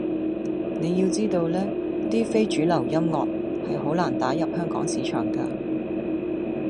你要知道呢，啲非主流音樂，係好難打入香港市場㗎